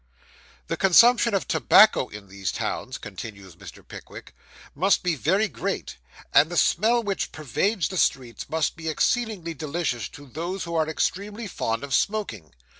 'The consumption of tobacco in these towns,' continues Mr. Pickwick, 'must be very great, and the smell which pervades the streets must be exceedingly delicious to those who are extremely fond of smoking.